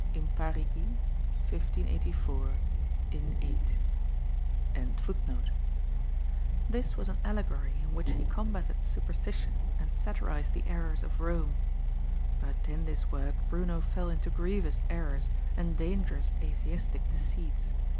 In Parigi, 1584, in 8_.] This was an allegory in which he combated superstition and satirised the errors of Rome. But in this work Bruno fell into grievous errors and dangerous atheistic deceits.